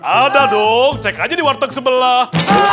ada dong cek aja di warteg sebelah